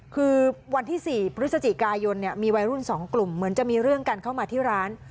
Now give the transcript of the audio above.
คือวันที่๔พฤศจิกายนมีวัยรุ่น๒กลุ่มเหมือนจะมีเรื่องกันเข้ามาที่ร้าน